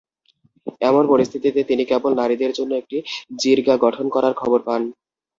এমন পরিস্থিতিতে তিনিকেবল নারীদের জন্য একটি জিরগা গঠন করার খবর পান।